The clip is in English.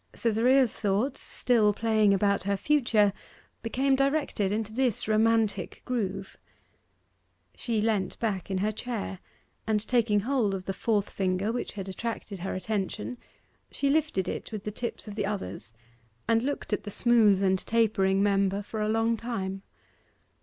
Cytherea's thoughts, still playing about her future, became directed into this romantic groove. She leant back in her chair, and taking hold of the fourth finger, which had attracted her attention, she lifted it with the tips of the others, and looked at the smooth and tapering member for a long time.